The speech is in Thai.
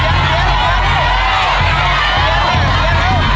สุดท้ายสุดท้ายสุดท้าย